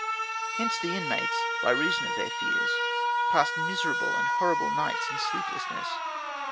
Hence the inmates, by reason of their fears, passed miserable and horrible nights in sleeplessness.